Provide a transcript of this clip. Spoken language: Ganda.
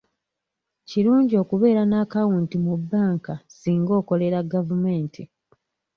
Kirungi okubeera n'akawunti mu bbanka singa okolera gavumenti.